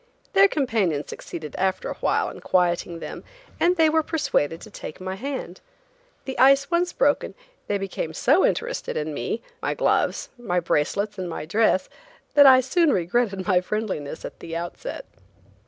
Their companions succeeded after awhile in quieting them and they were persuaded to take my hand. The ice once broken, they became so interested in me, my gloves, my bracelets and my dress, that I soon regretted my friendliness in the outset.